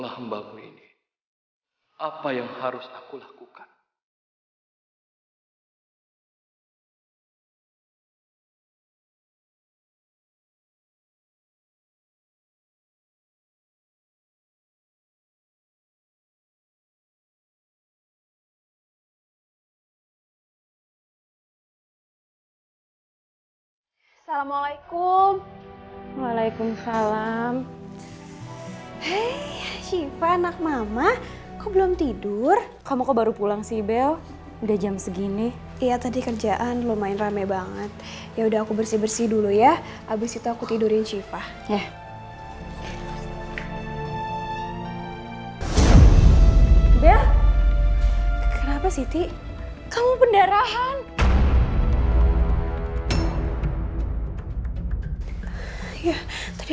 aku harus tanya kak reina kalau perlu aku harus paksa dia